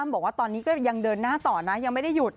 บอกว่าตอนนี้ก็ยังเดินหน้าต่อนะยังไม่ได้หยุด